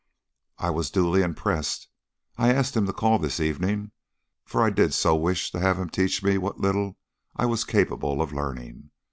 "I was duly impressed. I asked him to call this evening, for I did so wish to have him teach me what little I was capable of learning.